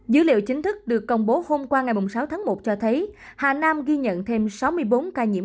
dữ liệu chính thức được công bố hôm qua ngày sáu tháng một cho thấy hà nam ghi nhận thêm sáu mươi bốn ca nhiễm